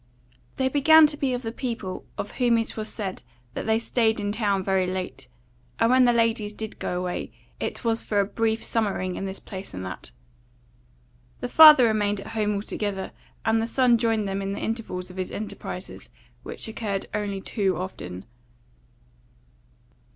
They began to be of the people of whom it was said that they stayed in town very late; and when the ladies did go away, it was for a brief summering in this place and that. The father remained at home altogether; and the son joined them in the intervals of his enterprises, which occurred only too often.